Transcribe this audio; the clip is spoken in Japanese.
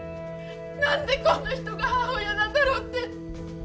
なんでこんな人が母親なんだろうって。